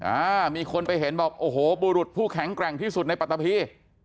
อ่ามีคนไปเห็นบอกโอ้โหบุรุษผู้แข็งแกร่งที่สุดในปัตตะพี